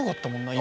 今。